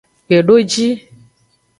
Kpedoji.